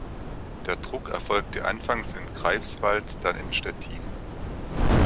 Der Druck erfolgte anfangs in Greifswald, dann in Stettin.